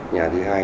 nhà thứ hai